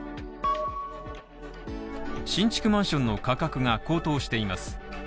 新築マンションの価格が高騰しています。